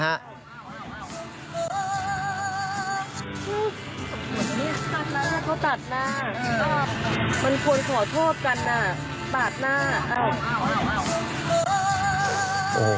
ปาดหน้า